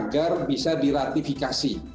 agar bisa diratifikasi